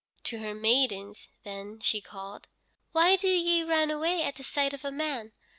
To her maidens then she called: "Why do ye run away at the sight of a man?